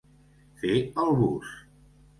Fer el bus.